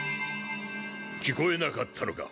聞こえなかったのか？